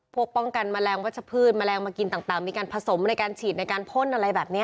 ป้องกันแมลงวัชพืชแมลงมากินต่างมีการผสมในการฉีดในการพ่นอะไรแบบนี้